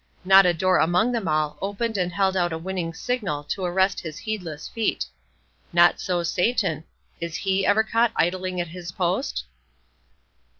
Not a door among them all opened and held out a winning signal to arrest his heedless feet. Not so Satan! Is he ever caught idling at his post?